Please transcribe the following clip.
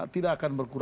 tidak akan berkumpulkan